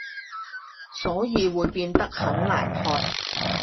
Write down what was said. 所以會變得很難喝